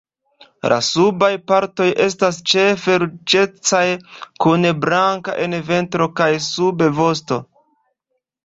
La subaj partoj estas ĉefe ruĝecaj kun blanko en ventro kaj subvosto.